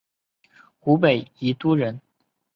湖北宜都人。